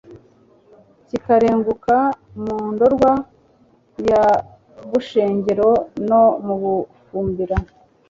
Kikarenguka mu Ndorwa y'u Bushengero no mu Bufumbira.